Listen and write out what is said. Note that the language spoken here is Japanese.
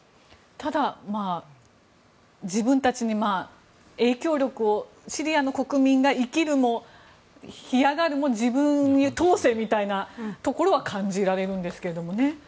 ただ、自分たちの影響力シリアの国民が生きるも干上がるも自分を通せみたいなところは感じられるんですけども。